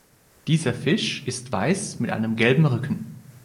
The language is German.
Dieser Fisch ist weiß mit einem gelben Rücken.